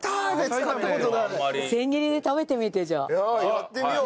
やってみよう！